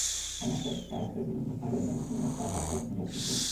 En aquest cas és indiferent en quina etapa s'ompli el cicle.